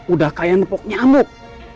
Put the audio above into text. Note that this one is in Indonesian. udah kayak nupuk nyamuk